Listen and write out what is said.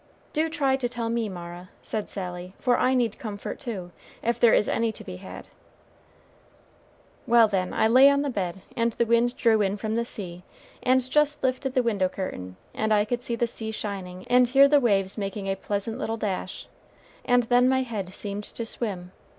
"Do try to tell me, Mara," said Sally, "for I need comfort too, if there is any to be had." "Well, then, I lay on the bed, and the wind drew in from the sea and just lifted the window curtain, and I could see the sea shining and hear the waves making a pleasant little dash, and then my head seemed to swim.